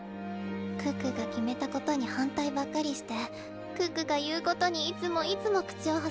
可可が決めたことに反対ばっかりして可可が言うことにいつもいつも口を挟んできて。